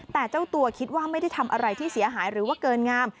แต่เจ้าตัวคิดว่าไม่ได้ทำอะไรที่เสียหายหรือว่าเกินงาม